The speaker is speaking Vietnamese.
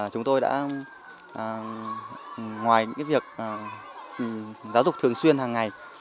chúng tôi đã ngoài những việc giáo dục thường xuyên